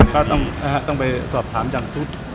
ก็ต้องไปสอบถามอย่างชุด